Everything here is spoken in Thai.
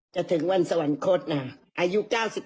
จะถึงวันสวรรคตอ่ะอายุ๙๕๙๕๕๙๑๓๓๑